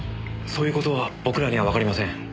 そういう事は僕らにはわかりません。